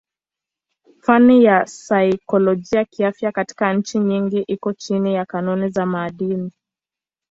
Fani ya saikolojia kiafya katika nchi nyingi iko chini ya kanuni za maadili.